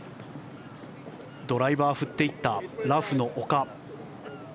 ドライバー振っていったラフの丘。